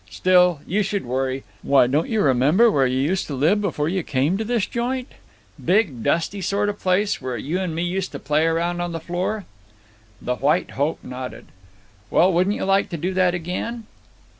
Still, you should worry. Why, don't you remember where you used to live before you came to this joint? Big, dusty sort of place, where you and me used to play around on the floor?" The White Hope nodded. "Well, wouldn't you like to do that again?"